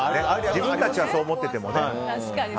自分たちはそう思っていても。